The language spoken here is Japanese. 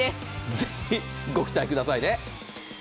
ぜひ、ご期待くださいね。